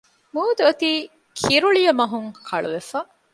މޫދު އޮތީ ކިރުޅިޔަމަހުން ކަޅުވެފަ